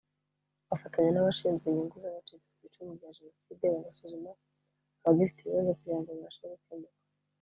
bafatanya n’abashinzwe inyungu z’abacitse ku icumu rya Jenoside bagasuzuma abagifite ibibazo kugira ngo bibashe gukemuka